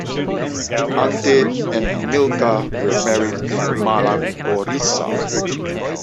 Ante and Milka were married in Mala Gorica.